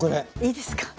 いいですか？